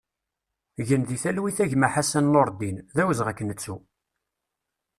Gen di talwit a gma Ḥassan Nureddin, d awezɣi ad k-nettu!